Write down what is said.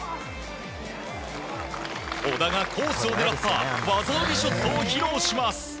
小田がコースを狙った技ありショットを披露します！